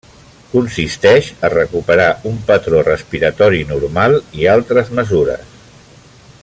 Consisteix a recuperar un patró respiratori normal i altres mesures.